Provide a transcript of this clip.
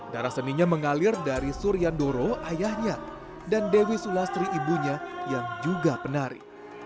darah seninya mengalir dari suryandoro ayahnya dan dewi sulastri ibunya yang juga penari